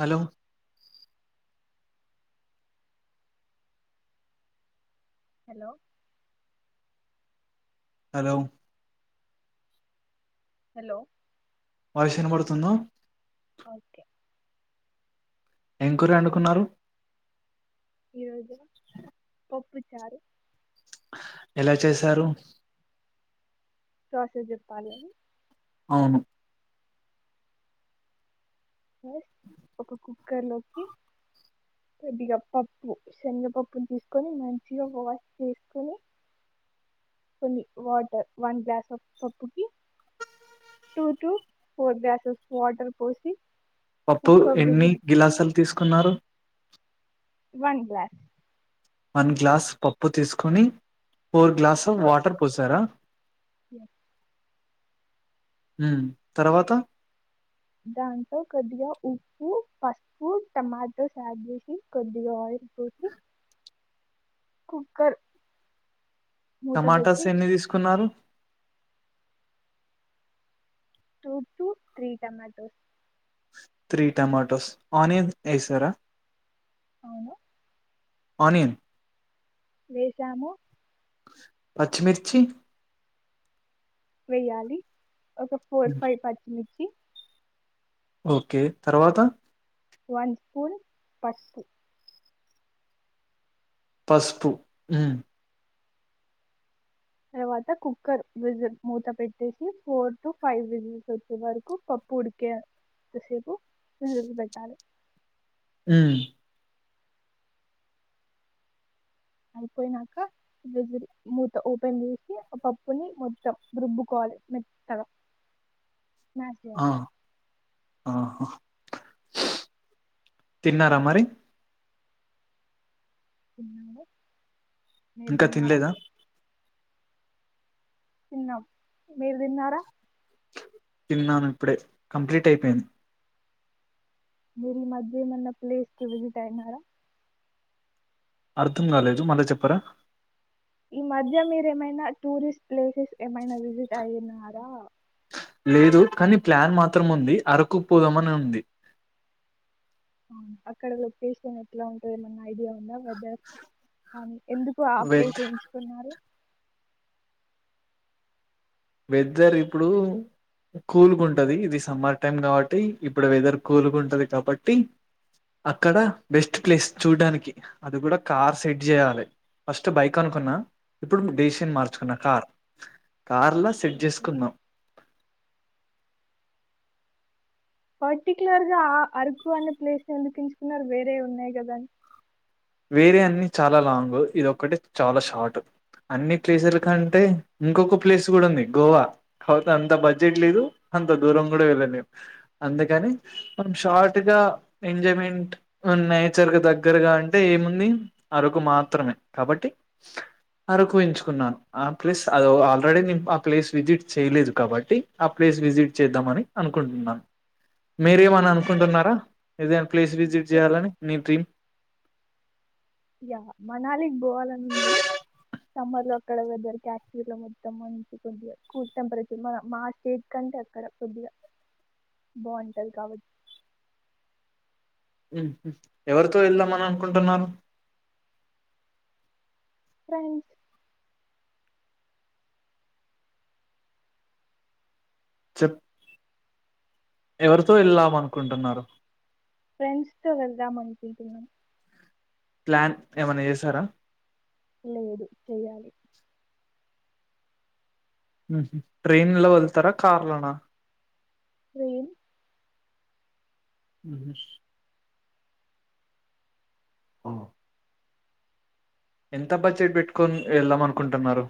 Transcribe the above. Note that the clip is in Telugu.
Hello hello hello hello voice ఇన పడుతుందా. ఓకే ఎం కూర అండుకున్నారు. ఈరోజు పప్పుచారు. ఎలా చేసారు? ప్రాసెస్ చెప్పాలి అది. అవును. సార్ ఒక కుక్కర్ లోకి కొద్దిగా పప్పు శనగపప్పుని తీసుకొని మంచిగా వాష్ చేసుకొని, కొన్ని వాటర్ వన్ గ్లాస్ ఆఫ్ పప్పుకి two two four glasses water పోసి పప్పు కుక్క ఎన్ని విజిల్ గిలాసలు తీసుకున్నారు. One glass. వన్ గ్లాస్ పప్పు తీసుకొని ఫోర్ గ్లాస్ ఆఫ్ వాటర్ పోసారా. యా హ్ తర్వాత దాంట్లో కొద్దిగా ఉప్పు, పసుపు, టమాటోస్ ఆడ్ చేశి కొద్దిగా ఆయిల్ పోసి కుక్కర్ మూత టమాటాస్ పెట్టి ఎన్ని తీసుకున్నారు. Two two three tomatoes. Three tomatoes. Onion ఎసార? అవును. అనియన్ వేసాము. పచ్చిమిర్చి వెయ్యాలి. ఒక ఫోర్ మ్మ్. ఫైవ్ పచ్చిమిర్చి ఓకే తర్వాత వన్ స్పూన్ పసుపు. పసుపు హ్ తర్వాత కుక్కర్ విజిల్ మూత పెట్టేసి ఫోర్ టు ఫైవ్ విజిల్స్ వచ్చే వరకు పప్పు ఉడికేంతసేపు విజిల్లు పెట్టాలి హు అయిపోయినాక విజిల్ మూత ఓపెన్ చేసి ఆ పప్పుని మొత్తం రుబ్బుకోవాలే మెత్తగా స్మాష్ చేయాలి ఆ ఆ తిన్నారా మరి తిన్లే ఇంకా తిన్లేదా తిన్నాం మీరు తిన్నారా తిన్నాను ఇప్పుడే కంప్లీట్ అయిపెంది మీరు ఈ మధ్య ఏమన్నా ప్లేస్కి విజిట్ అయినారా అర్థం కాలేదు మళ్ళీ చెప్పరా ఈ మధ్య మీరేమైనా టూరిస్ట్ ప్లేసెస్ ఏమైనా విజిట్ అయినారా లేదు కని ప్లాన్ మాత్రం ఉంది అరకుకు పోదామని ఉంది. అక్కడ లొకేషన్ ఎట్లా ఉంటది ఏమన్నా ఐడియా ఉందా ఎందుకు ఆ వె ప్లేస్ ఎంచుకున్నారు వెదర్ ఇప్పుడు కూల్ గా ఉంటది ఇది సమ్మర్ టైం కాబట్టి ఇప్పుడు వెదర్ కూల్ ఉంటది కాబట్టి అక్కడ బెస్ట్ ప్లేస్ చూడానికి అది కూడా కార్ సెట్ చేయాలే ఫస్ట్ బైక్ అనుకున్న ఇప్పుడు డేసిషన్ మార్చుకున్న కార్ కార్ లో సెట్ ఓకే చేసుకుందాం పటిక్లార్ గా ఆ అరుకు అనే ప్లేస్ నే ఎందుకు ఎంచుకున్నారు వేరే ఉన్నాయి కదాండి వేరే అన్ని చాలా లాంగ్ ఇదోక్కటే చాలా షార్ట్ అన్ని ప్లేసుల కంటే ఇంకొక ప్లేస్ కూడా ఉంది గోవా కాపోతే అంత బడ్జెట్ లేదు అంత దూరం కూడా వెళ్ళలేము అందుకని మనం షార్ట్ గా ఎంజాయ్మెంట్ నేచర్ కు దగ్గరగా అం అంటే ఏముంది అరకు మాత్రమే కాబట్టి అరకు ఎంచుకున్నాను ఆ ప్లేస్ అదో ఆల్రెడీ నేను ఆ ప్లేస్ విజిట్ చేయలేదు కాబట్టి ఆ ప్లేస్ విజిట్ చేద్దామని అనుకుంటున్నాను మీరేమని అనుకుంటున్నారా ఏదైనా ప్లేస్ విజిట్ అందుకే చేయాలని నీ డ్రీమ్ యా మనాలికి బోవాలని ఉంది సమ్మర్ లో అక్కడ వెదర్ కాశ్మీర్ లో మొత్తం మంచి కొద్దిగా కూల్ టెంపరేచర్ మన మా స్టేట్ కంటే అక్కడ కొద్దిగా బాగుంటాది కాబ ఉ ఎవరితో వెళ్దామని అనుకుంటున్నారు ఫ్రెండ్స్ చెప్ ఎవరితో వెళ్ళాం అనుకుంటున్నారు ఫ్రెండ్స్ తో వెళ్దాం అనుకుంటున్న ప్లాన్ ఏమన్న చేసారా లేదు చేయాలి ట్రైన్ లో వెళ్తారా కార్లనా ట్రైన్ ఉహు ఆ ఎంత బడ్జెట్ పెట్టుకొని వెళ్దాం అనుకుంటున్నారు